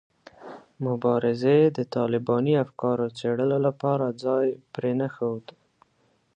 مبارزې د طالباني افکارو څېړلو لپاره ځای پرې نه ښود.